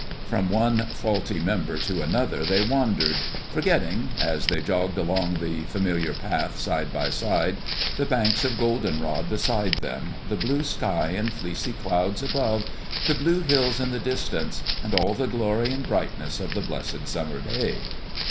From one faulty member to another they wandered, forgetting, as they jogged along the familiar path side by side, the banks of goldenrod beside them, the blue sky and fleecy clouds above, the blue hills in the distance, and all the glory and brightness of the blessed summer day.